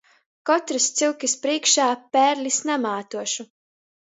Kotrys cyukys prīškā pērlis namātuošu.